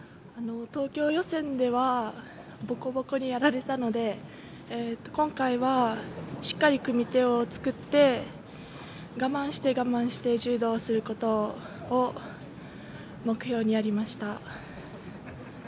東京予選ではぼこぼこにやられたので今回はしっかり組み手を作って我慢して我慢して柔道をすることを目標にやりました。